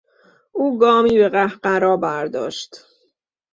او گامی به قهقرا برداشت.